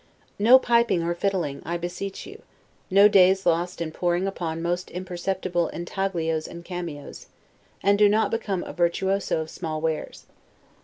No piping nor fiddling, I beseech you; no days lost in poring upon almost imperceptible 'intaglios and cameos': and do not become a virtuoso of small wares.